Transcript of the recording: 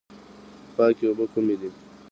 پاکې اوبه کومې دي؟